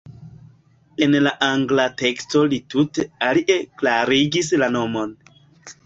En la angla teksto li tute alie klarigis la nomon.